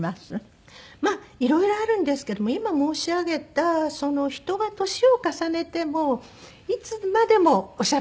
まあいろいろあるんですけども今申し上げた人が年を重ねてもいつまでもおしゃべりでいたい。